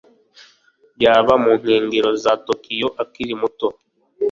Yaba mu nkengero za Tokiyo akiri muto